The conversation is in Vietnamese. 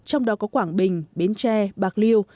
trong đó có quảng bình biến tre bạc liêu